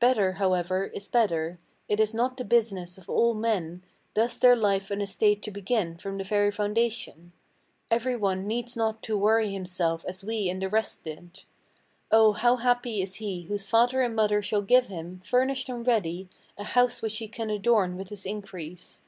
Better, however, is better. It is not the business of all men Thus their life and estate to begin from the very foundation: Every one needs not to worry himself as we and the rest did. Oh, how happy is he whose father and mother shall give him, Furnished and ready, a house which he can adorn with his increase.